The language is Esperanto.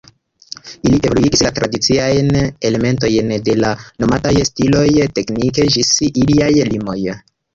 Ili evoluigis la tradiciajn elementojn de la nomataj stiloj teknike ĝis iliaj limoj.